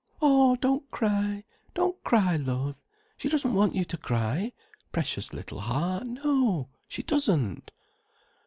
Oh, don't cry, don't cry, love, she doesn't want you to cry, precious little heart, no, she doesn't."